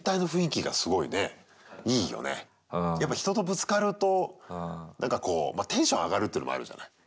やっぱ人とぶつかるとなんかこうテンション上がるっていうのもあるじゃない。